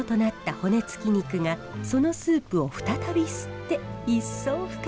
骨つき肉がそのスープを再び吸って一層深い味になります。